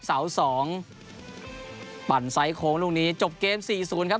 เสาสองปั่นไซส์โค้งลูกนี้จบเกมสี่ศูนย์ครับ